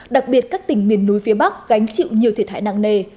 đặc biệt các tỉnh miền núi phía bắc gánh chịu nhiều thiệt hại nặng nề